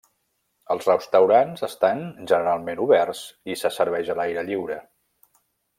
Els restaurants estan generalment oberts i se serveix a l'aire lliure.